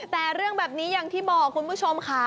แต่เรื่องแบบนี้อย่างที่บอกคุณผู้ชมค่ะ